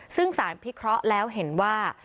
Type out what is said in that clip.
ซึ่งสารพิเคราะห์แล้วเห็นว่า